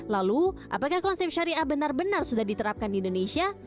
lalu apakah konsep syariah benar benar sudah diterapkan di indonesia